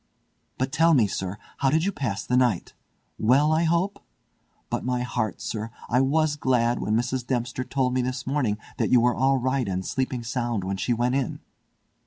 But tell me, sir, how did you pass the night? Well, I hope? But my heart! sir, I was glad when Mrs. Dempster told me this morning that you were all right and sleeping sound when she went in."